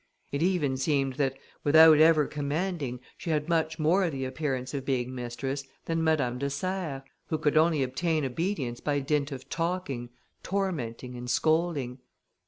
It even seemed, that without ever commanding, she had much more the appearance of being mistress than Madame de Serres, who could only obtain obedience by dint of talking, tormenting, and scolding.